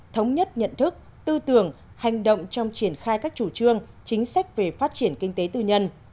thống nhất nhận thức tư tưởng hành động trong triển khai các chủ trương chính sách về phát triển kinh tế tư nhân